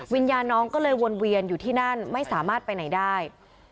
วิญญาณน้องก็เลยวนเวียนอยู่ที่นั่นไม่สามารถไปไหนได้